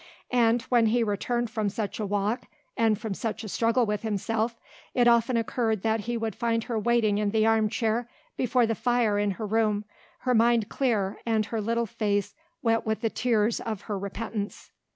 And when he returned from such a walk and from such a struggle with himself it often occurred that he would find her waiting in the arm chair before the fire in her room, her mind clear and her little face wet with the tears of her repentance.